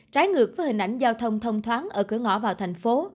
trái ngược với hình ảnh giao thông thông thoáng ở cửa ngõ vào thành phố